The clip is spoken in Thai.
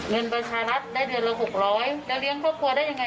เงินบัญชารักษ์ได้เดือนละหกร้อยแล้วเลี้ยงครอบครัวได้ยังไง